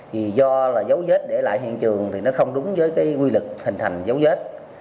thì do là dấu vết để lại hiện trường thì nó không đúng với cái quy lực hình thành dấu vết